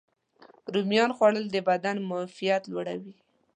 رومیانو خوړل د بدن معافیت لوړوي.